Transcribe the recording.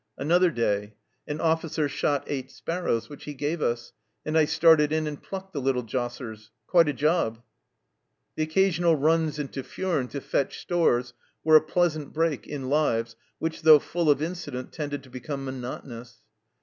Another day "An officer shot eight sparrows, which he gave us, and I started in and plucked the little jossers. Quite a job !" The occasional runs into Furnes to fetch stores were a pleasant break in lives which, though full of incident, tended to become monotonous.